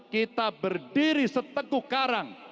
kita berdiri seteguh karang